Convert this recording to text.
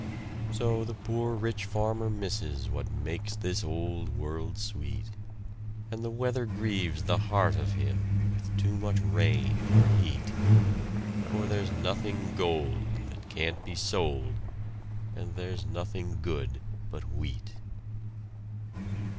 So the poor rich farmer misses What makes this old world sweet; And the weather grieves the heart of him With too much rain or heat; For there's nothing gold that can't be sold, And there's nothing good but wheat!